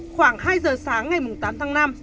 khoảng hai giờ sáng ngày tám tháng năm